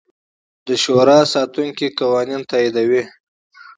شورای نګهبان قوانین تاییدوي.